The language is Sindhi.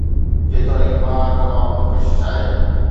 جيتوڻيڪ بهار تمام پرڪشش آهي